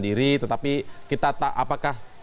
diri tetapi kita apakah